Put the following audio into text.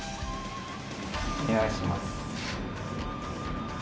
お願いします。